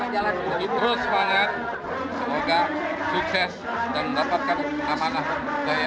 dan terus semangat semoga sukses dan mendapatkan amanah